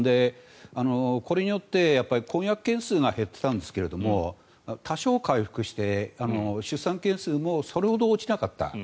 これによって婚約件数が減っていたんですけど多少、回復して出産件数もそれほど落ちなかった。